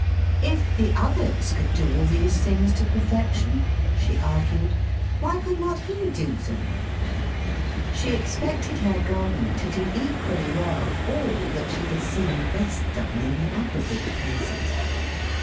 "If the others could do all these things to perfection," she argued, "why could not he do them?" She expected her gardener to do equally well all that she had seen best done in the other big places.